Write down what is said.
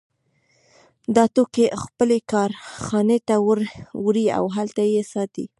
دا توکي خپلې کارخانې ته وړي او هلته یې ساتي